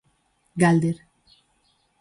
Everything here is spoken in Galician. Galder.